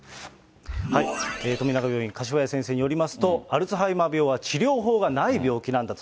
富永病院、柏谷先生によりますと、アルツハイマー病は治療法がない病気なんだと。